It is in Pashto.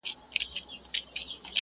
لښتې د دښتې د نویو ګلانو رنګ ولید.